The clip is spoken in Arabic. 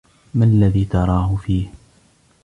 ما الذي تراهُ فيه؟